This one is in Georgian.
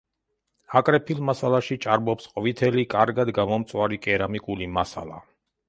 აკრეფილ მასალაში ჭარბობს ყვითელი, კარგად გამომწვარი კერამიკული მასალა.